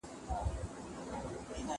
د هغې ونې تر سیوري لاندي کښېنسهمېشه خوند کوي.